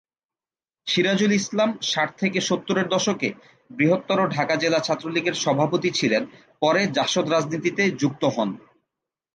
সিরাজুল ইসলাম ষাট থেকে সত্তরের দশকে বৃহত্তর ঢাকা জেলা ছাত্রলীগের সভাপতি ছিলেন পরে জাসদ রাজনীতিতে যুক্ত হন।